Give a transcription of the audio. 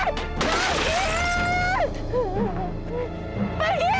pergi pergi pergi